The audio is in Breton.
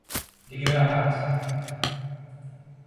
Degemer mat !